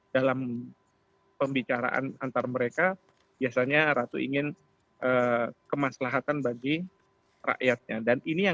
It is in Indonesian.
dalam pembicaraan antar mereka biasanya ratu ingin kemaslahatan bagi rakyatnya